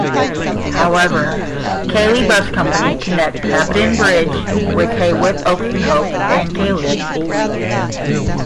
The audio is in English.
However, Keighley Bus Company connect Hebden Bridge with Haworth, Oxenhope and Keighley.